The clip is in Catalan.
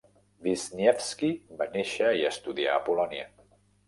Wisniewski va néixer i va estudiar a Polònia.